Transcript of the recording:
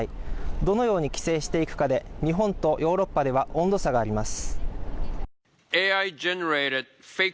どのように規制していくかで、日本とヨーロッパでは温度差があります。